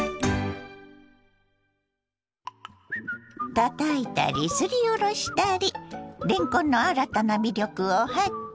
たたいたりすりおろしたりれんこんの新たな魅力を発見。